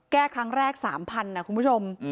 แก้ครั้งแรก๓๐๐๐นะคุณผู้ชม